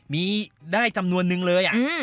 มีได้จำนวนนึงเลย